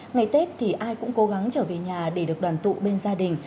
ngày tết thì ai cũng cố gắng trở về nhà để được đoàn tụ bên gia đình